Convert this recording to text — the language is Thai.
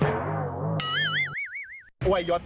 ที่นั่งขอบคุณมากที่มีเจ้าเห็นจนทิศ